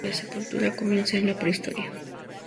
La sepultura comienza en la prehistoria.